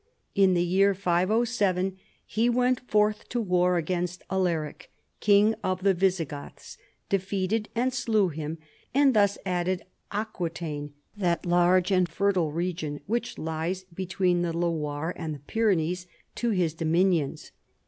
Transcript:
In the year 507 he went forth to war against Alaric, King of the Visigoths, defeated and slew him, and thus added Aquitaine, that large and fertile region whicli lies between the Loire and the Pyrenees, to his do minions.